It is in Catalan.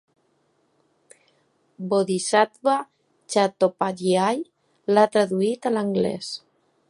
Bodhisattva Chattopadhyay l'ha traduït a l'anglès.